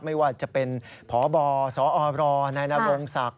ไม่ว่าจะเป็นพบสอรในนาวงศักดิ์